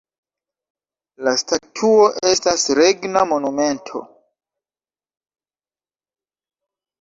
La statuo estas regna monumento.